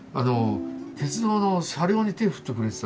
鉄道の車両に手振ってくれてたらさ